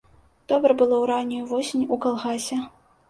Добра было ў раннюю восень у калгасе.